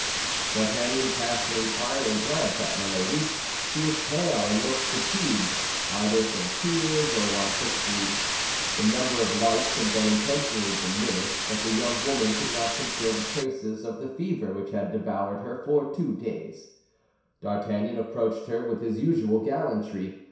D'Artagnan cast an inquiring glance at Milady. She was pale, and looked fatigued, either from tears or want of sleep. The number of lights had been intentionally diminished, but the young woman could not conceal the traces of the fever which had devoured her for two days. D'Artagnan approached her with his usual gallantry.